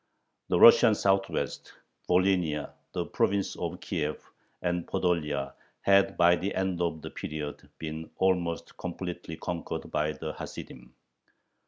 The Russian Southwest, Volhynia, the province of Kiev, and Podolia, had by the end of the period, been almost completely conquered by the Hasidim.